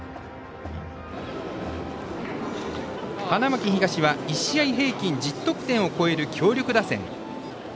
花巻東は、１試合平均１０得点を超える強力打線。